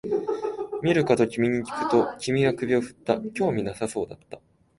見るかと君にきくと、君は首を振った、興味なさそうだった